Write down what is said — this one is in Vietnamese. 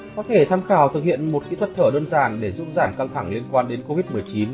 có thể tham khảo thực hiện một kỹ thuật thở đơn giản để giúp giảm căng thẳng liên quan đến covid một mươi chín